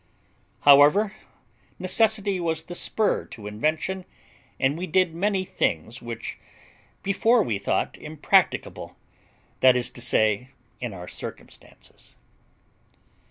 However, necessity was the spur to invention, and we did many things which before we thought impracticable, that is to say, in our circumstances.